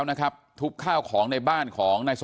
พันให้หมดตั้ง๓คนเลยพันให้หมดตั้ง๓คนเลย